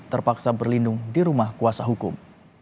terpaksa berlindung di rumah kuasa hukum